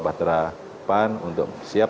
patera pan untuk siap